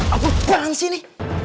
apaan sih ini